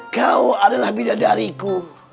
kau adalah bidadariku